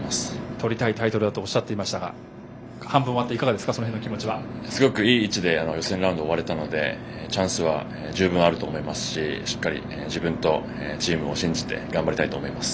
とりたいタイトルだとおっしゃっていましたがすごくいい位置で予選ラウンドが終われたのでチャンスは十分あると思いますししっかり自分とチームを信じて頑張りたいと思います。